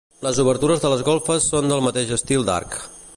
Les obertures de les golfes són del mateix estil d'arc.